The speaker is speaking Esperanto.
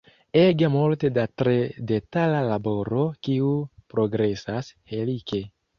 Ege multe da tre detala laboro, kiu progresas helike.